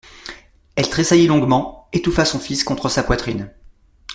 Elle tressaillit longuement, étouffa son fils contre sa poitrine.